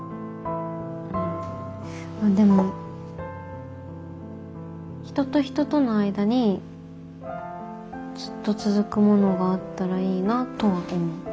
でも人と人との間にずっと続くものがあったらいいなとは思う。